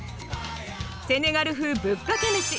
セネガル風ぶっかけメシ。